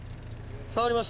触りました！